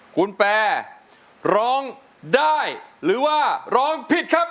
คุณแปรร้องได้หรือว่าร้องผิดครับ